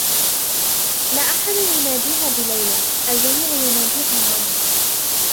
لا أحد يناديها بليلى. الجميع يناديها "ماما."